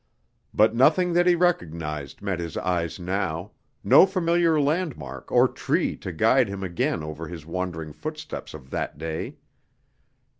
But nothing that he recognized met his eyes now, no familiar landmark or tree to guide him again over his wandering footsteps of that day.